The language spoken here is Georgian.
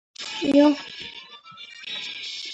ჯგუფმა ჩაწერა ორი სტუდიური ალბომი.